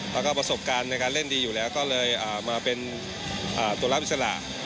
แล้วก็ประสบการณ์ในการเล่นดีอยู่แล้วก็เลยมาเป็นตัวรับอิสระ